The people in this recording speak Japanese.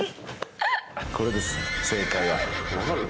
これです正解は分かる？